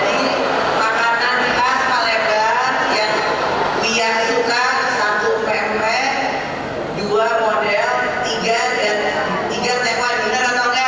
jadi makanan khas palembang yang wiranus suka satu ume ume dua model tiga dan tiga tewa